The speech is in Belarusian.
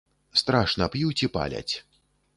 Страшна п'юць і паляць.